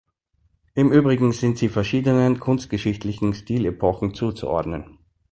Im übrigen sind sie verschiedenen kunstgeschichtlichen Stilepochen zuzuordnen.